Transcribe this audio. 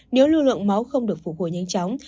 nếu lưu lượng máu không được phục hồi nhanh chóng